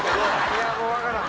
いやもうわからん。